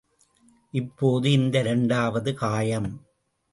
இப்போது, இந்த இரண்டாவது காயம்.